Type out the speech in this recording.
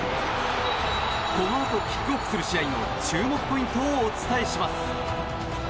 このあとキックオフする試合の注目ポイントをお伝えします。